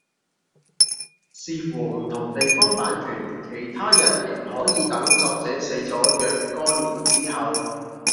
視乎唔同地方版權其他人亦可以等作者死咗若干年之後